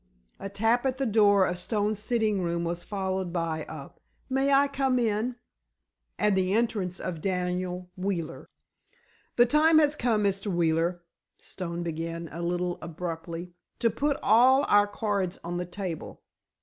A tap at the door of Stone's sitting room was followed by a "May I come in?" and the entrance of Daniel Wheeler. "The time has come, Mr. Wheeler," Stone began a little abruptly, "to put all our cards on the table.